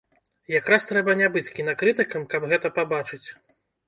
Якраз трэба не быць кінакрытыкам, каб гэта пабачыць.